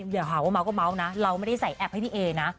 เราไม่ได้ใส่แอปให้พี่เอนะ